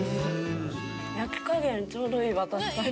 焼き加減ちょうどいいわ確かに。